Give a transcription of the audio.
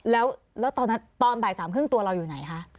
แล้วตอนนั้นตอนบ่าย๓ครึ่งตัวเราอยู่ไหนคะ